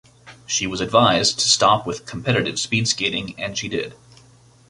She was advised to stop with competitive speed skating and she did.